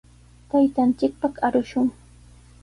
Taytanchikpaq arushun.